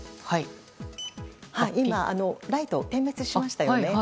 今、ライトが点滅しましたよね。